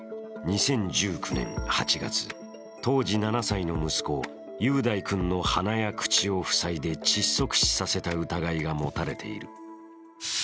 ２０１９年８月、当時７歳の息子雄大君の鼻や口を塞いで窒息死させた疑いが持たれている。